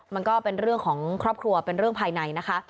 มันก็เป็นเรื่องของครอบครัวเป็นเรื่องภายในนะคะ